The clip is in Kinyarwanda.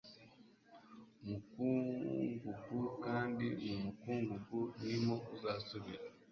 umukungugu kandi mu mukungugu ni mo uzasubira